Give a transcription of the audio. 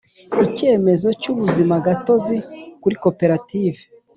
icyemezo cy’ ubuzima gatozi kuri koperative